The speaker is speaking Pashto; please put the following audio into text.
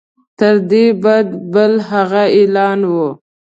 تر دې بد بل هغه اعلان وو.